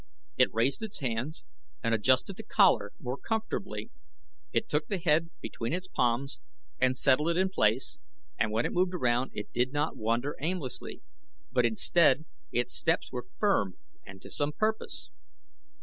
It raised its hands and adjusted the collar more comfortably, it took the head between its palms and settled it in place and when it moved around it did not wander aimlessly, but instead its steps were firm and to some purpose.